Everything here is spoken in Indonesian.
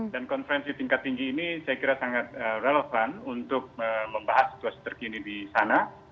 dan konferensi tingkat tinggi ini saya kira sangat relevan untuk membahas situasi terkini di sana